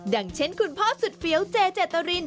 อย่างเช่นคุณพ่อสุดเฟี้ยวเจเจตริน